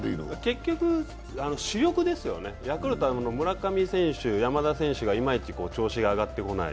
結局、主力ですよね、ヤクルトは村上選手、山田選手がいまいち調子が上がってこない。